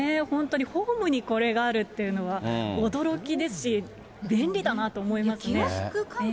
本当にホームにこれがあるっていうのは、驚きですし、便利だなと思いますね。